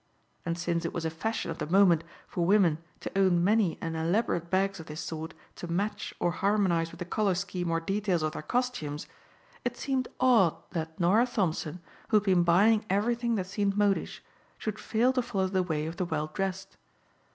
And since it was a fashion of the moment for women to own many and elaborate bags of this sort to match or harmonize with the color scheme or details of their costumes, it seemed odd that Norah Thompson, who had been buying everything that seemed modish, should fail to follow the way of the well dressed.